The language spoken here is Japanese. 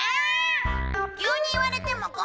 急に言われても困るよ。